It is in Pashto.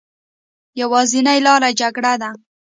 يوازينۍ لاره جګړه ده